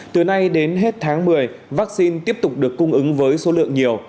từ nay đến hết tháng một mươi vaccine tiếp tục được cung ứng với số lượng nhiều